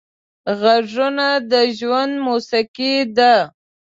غږونه د ژوند موسیقي ده